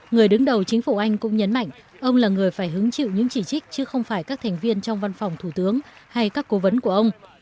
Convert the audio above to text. người đứng đầu chính phủ anh cũng nhấn mạnh ông là người phải hứng chịu những chỉ trích chứ không phải các thành viên trong văn phòng thủ tướng hay các cố vấn của ông